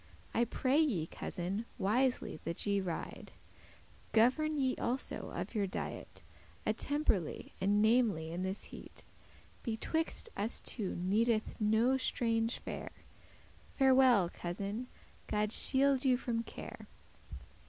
I pray you, cousin, wisely that ye ride: Governe you also of your diet Attemperly,* and namely in this heat. *moderately Betwixt us two needeth no *strange fare;* *ado, ceremony* Farewell, cousin, God shielde you from care.